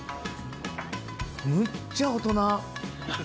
むっちゃ大人。